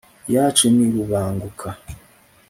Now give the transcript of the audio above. iyacu ni rubanguka